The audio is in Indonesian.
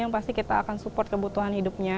yang pasti kita akan support kebutuhan hidupnya